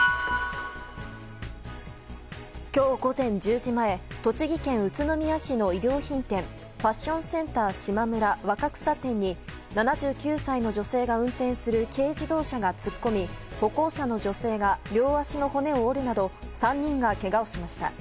今日午前１０時前栃木県宇都宮市の衣料品店ファッションセンターしまむら若草店に７９歳の女性が運転する軽自動車が突っ込み歩行者の女性が両足の骨を折るなど３人がけがをしました。